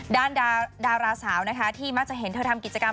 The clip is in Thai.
ด้านดาราสาวที่มักจะเห็นเธอทำกิจกรรม